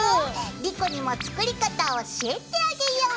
莉子にも作り方教えてあげよう。